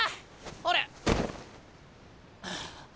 あれ？